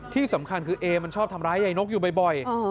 ที่สำคัญคือเอมันชอบทำร้ายยายนกอยู่บ่อย